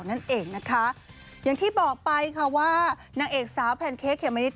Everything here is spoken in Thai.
นั่นเองนะคะอย่างที่บอกไปค่ะว่านางเอกสาวแพนเค้กเขมมะนิด